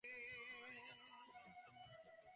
আমি একজন আসল সামুরাই।